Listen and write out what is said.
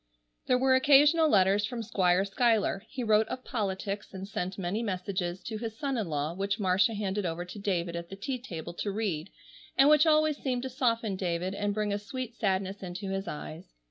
There were occasional letters from Squire Schuyler. He wrote of politics, and sent many messages to his son in law which Marcia handed over to David at the tea table to read, and which always seemed to soften David and bring a sweet sadness into his eyes.